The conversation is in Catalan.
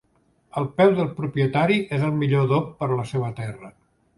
El peu del propietari és el millor adob per a la seva terra